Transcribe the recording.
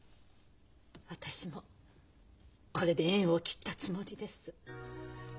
私もこれで縁を切ったつもりです。